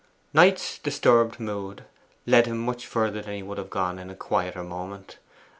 Knight's disturbed mood led him much further than he would have gone in a quieter moment.